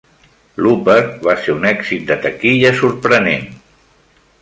"Looper" va ser un èxit de taquilla sorprenent.